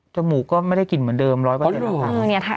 มูกก็ไม่ได้กลิ่นเหมือนเดิม๑๐๐นะคะ